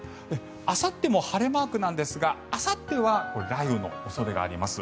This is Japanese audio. あさっても晴れマークなんですがあさっては雷雨の恐れがあります。